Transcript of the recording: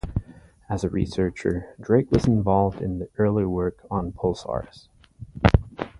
As a researcher, Drake was involved in the early work on pulsars.